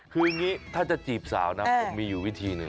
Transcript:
คืออย่างนี้ถ้าจะจีบสาวนะผมมีอยู่วิธีหนึ่ง